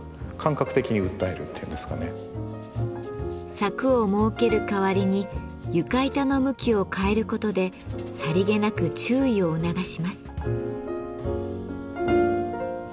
柵を設ける代わりに床板の向きを変えることでさりげなく注意を促します。